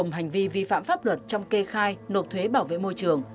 làm rõ gồm hành vi vi phạm pháp luật trong kê khai nộp thuế bảo vệ môi trường